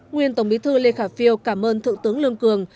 nguyên tổng bí thư lê khả phiêu cảm ơn thượng tướng lương cường